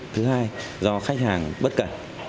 thứ hai là do khách hàng bất cả